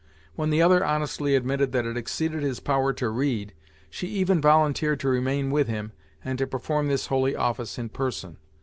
When the other honestly admitted that it exceeded his power to read, she even volunteered to remain with him, and to perform this holy office in person.